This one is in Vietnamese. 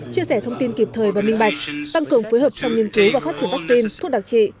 chia sẻ thông tin kịp thời và minh bạch tăng cường phối hợp trong nghiên cứu và phát triển vaccine thuốc đặc trị